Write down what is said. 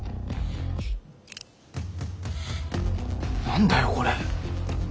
何だよこれ。